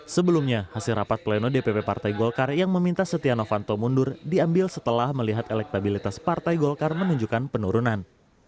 sebelumnya hasil rapat pleno dpp partai golkar yang meminta setia novanto mundur diambil setelah melihat elektabilitas partai golkar menunjukkan penurunan